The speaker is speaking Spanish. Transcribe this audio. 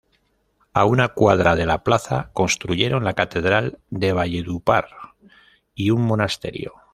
A una cuadra de la plaza construyeron la catedral de Valledupar y un monasterio.